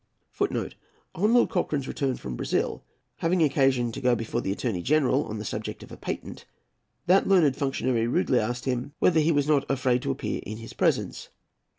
[A] [Footnote A: On Lord Cochrane's return from Brazil, having occasion to go before the Attorney General, on the subject of a patent, that learned functionary rudely asked him, " _Whether he was not afraid to appear in his presence?